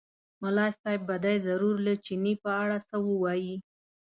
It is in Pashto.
ملا صاحب به دی ضرور له چیني په اړه څه ووایي.